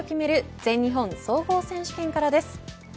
全日本総合選手権からです。